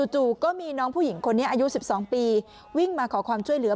จู่ก็มีน้องผู้หญิงคนนี้อายุ๑๒ปีวิ่งมาขอความช่วยเหลือ